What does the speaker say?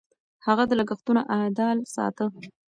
هغه د لګښتونو اعتدال ساته.